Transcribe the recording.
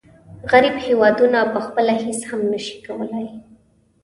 غریب هېوادونه پخپله هیڅ هم نشي کولای.